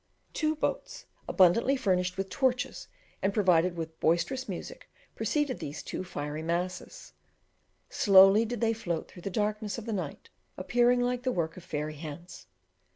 Two boats, abundantly furnished with torches and provided with boisterous music, preceded these two fiery masses. Slowly did they float through the darkness of the night, appearing like the work of fairy hands.